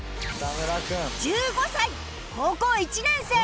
１５歳高校１年生